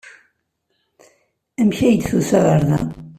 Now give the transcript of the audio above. Amek ay d-tusa ɣer da?